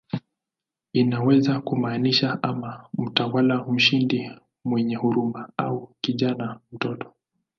Inaweza kumaanisha ama "mtawala mshindi mwenye huruma" au "kijana, mtoto".